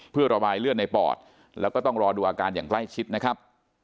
เพื่อระบายเลือดในปอดแล้วก็ต้องรอดูอาการอย่างใกล้ชิดนะครับ